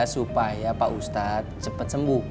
supaya pak ustadz cepat sembuh